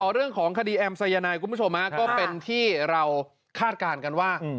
เรื่องของคดีแอมสายนายคุณผู้ชมก็เป็นที่เราคาดการณ์กันว่า